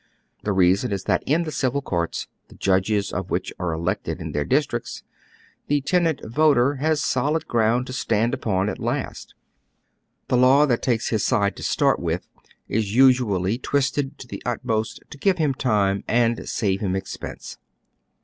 The reason is that in the civil courts, the judges of which are elected in their districts, the tenant voter has solid ground to stand upon at last. The law that takes his side to start with is usually twisted to the utmost to give oy Google 176 HOW THE OTHElt HALK LIVE hid! time and save him expeiiee.